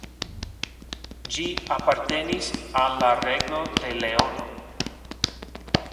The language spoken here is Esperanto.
Ĝi apartenis al la Regno de Leono.